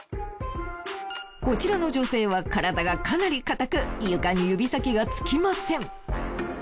こちらの女性は体がかなり硬く床に指先がつきません。